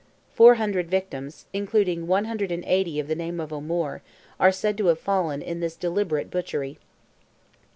Four hundred victims, including 180 of the name of O'Moore, are said to have fallen in this deliberate butchery.